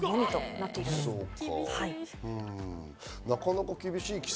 なかなか厳しい規制。